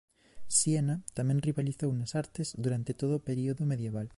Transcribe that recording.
Siena tamén rivalizou nas artes durante todo o período medieval.